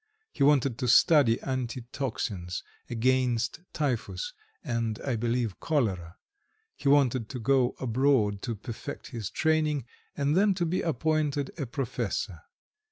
He wanted to study anti toxins against typhus, and, I believe, cholera; he wanted to go abroad to perfect his training, and then to be appointed a professor.